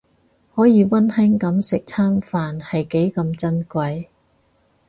可以溫馨噉食餐飯係幾咁珍貴